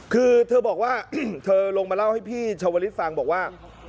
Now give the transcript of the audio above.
คือเธอบอกว่าเธอลงมาเล่าให้พี่ชาวลิศฟังบอกว่า